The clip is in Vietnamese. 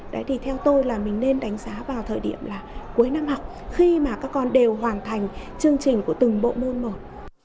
đấy thì theo tôi là mình nên đánh giá vào thời điểm là cuối năm học khi mà các con đều hoàn thành chương trình của từng bộ môn một